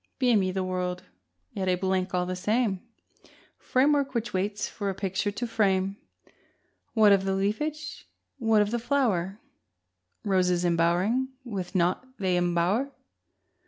Beamy the world, yet a blank all the same, Framework which waits for a picture to frame: What of the leafage, what of the flower? Roses embowering with naught they embower!